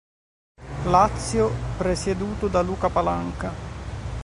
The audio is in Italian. Lazio, presieduto da Luca Palanca.